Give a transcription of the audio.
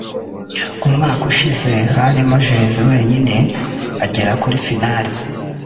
umwaka ushize harimo Jay wenyine agera kuri final